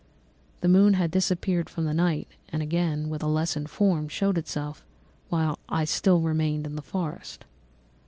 "The moon had disappeared from the night, and again, with a lessened form, showed itself, while I still remained in the forest.